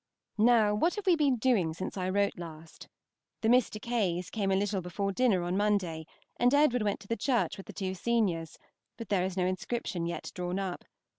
Now, what have we been doing since I wrote last? The Mr. K.'s came a little before dinner on Monday, and Edward went to the church with the two seniors, but there is no inscription yet drawn up.